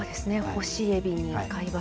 干しえびに貝柱。